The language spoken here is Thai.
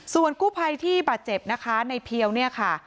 ส่วนกู้ภัยที่บาดเจ็บนะคะในเพียวเนี่ยค่ะ